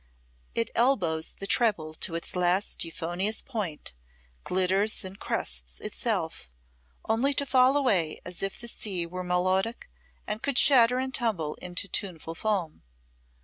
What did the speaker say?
It elbows the treble to its last euphonious point, glitters and crests itself, only to fall away as if the sea were melodic and could shatter and tumble into tuneful foam!